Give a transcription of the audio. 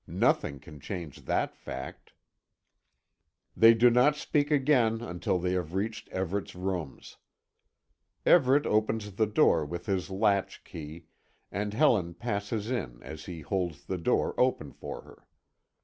Nothing can change that fact. They do not speak again until they have reached Everet's rooms. Everet opens the door with his latch key, and Helen passes in as he holds the door open for her.